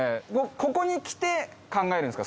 ここに来て考えるんですか？